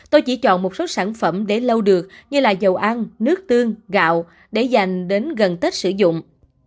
tôi chỉ chọn một số sản phẩm để lâu được như là dầu ăn nước tương gạo để dành đến gần tết sử dụng